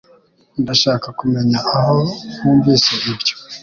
Ndashaka kumenya aho wumvise ibyo